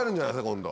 今度。